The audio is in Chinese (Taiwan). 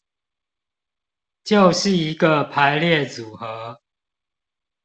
就是一個排列組合